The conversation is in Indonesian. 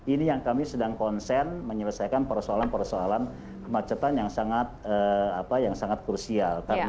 ini yang kami sedang konsen menyelesaikan persoalan persoalan kemacetan yang sangat krusial